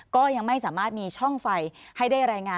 ก็ยังไม่สามารถมีช่องไฟให้ได้รายงาน